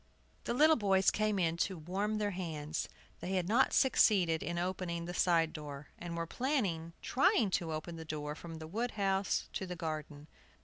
The little boys came in to warm their hands. They had not succeeded in opening the side door, and were planning trying to open the door from the wood house to the garden.